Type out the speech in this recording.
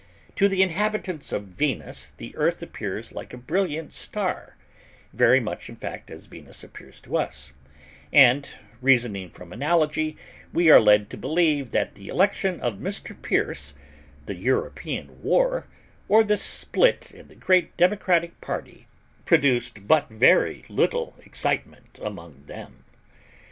To the inhabitants of Venus the Earth appears like a brilliant star very much, in fact, as Venus appears to us; and, reasoning from analogy, we are led to believe that the election of Mr. Pierce, the European war, or the split in the great Democratic party produced but very little excitement among them.